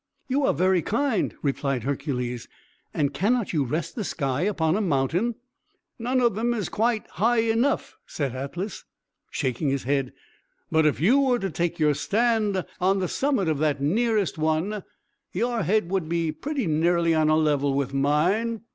"You are very kind," replied Hercules. "And cannot you rest the sky upon a mountain?" "None of them are quite high enough," said Atlas, shaking his head. "But if you were to take your stand on the summit of that nearest one, your head would be pretty nearly on a level with mine.